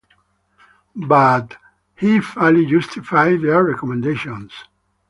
But he fully justified their recommendations.